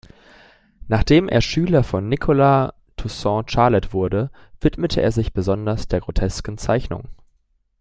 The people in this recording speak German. Nachdem er Schüler von Nicolas-Toussaint Charlet wurde, widmete er sich besonders der grotesken Zeichnung.